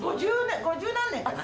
五十何年かな。